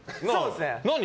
何？